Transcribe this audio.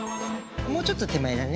もうちょっと手前だね。